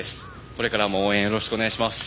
これからも応援よろしくお願いします。